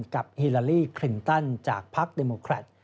กับฮิลาลี่ครินตันจากภักดิมกรัท